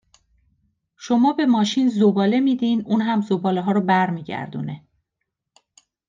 شما به ماشین زباله میدین، اون هم زبالهها رو برمیگردونه!